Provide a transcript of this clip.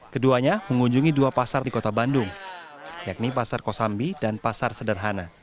keduanya mengunjungi dua pasar di kota bandung yakni pasar kosambi dan pasar sederhana